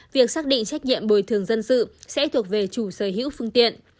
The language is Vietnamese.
việc xác định trách nhiệm bồi thường dân sự sẽ thuộc về chủ sở hữu phương tiện